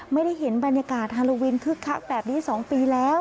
ไม่ได้เห็นบรรยากาศฮาโลวินคึกคักแบบนี้๒ปีแล้ว